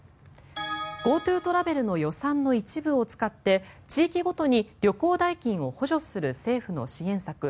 ＧｏＴｏトラベルの予算の一部を使って地域ごとに旅行代金を補助する政府の支援策